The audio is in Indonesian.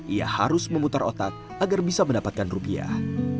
ia harus memutar otak agar bisa mendapatkan rupiah